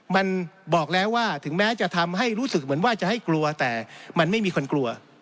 มันบอกแล้วว่าถึงแม้จะทำให้รู้สึกเหมือนว่าจะให้กลัวแต่มันไม่มีคนกลัว